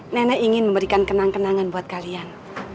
nenek ingin memberikan kenang kenangan buat kalian